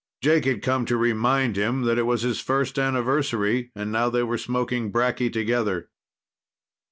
Jake had come to remind him that it was his first anniversary, and now they were smoking bracky together.